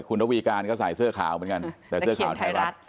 คุณธวีการก็ใส่เสื้อขาวเหมือนกันนครราชน์